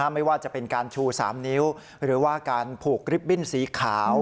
ไม่ว่าจะเป็นการชู๓นิ้วหรือว่าการผูกริบบิ้นสีขาว